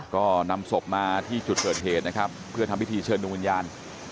ก็นำศพมาที่จุดเกิดเหตุนะครับเพื่อทำพิธีเชิญดวงวิญญาณ